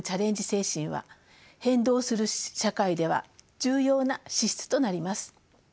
精神は変動する社会では重要な資質となります。